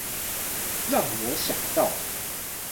讓我想到